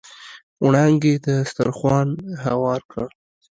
وړانګې دسترخوان هوار کړ.